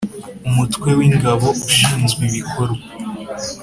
Umutwe w Ingabo Ushinzwe ibikorwa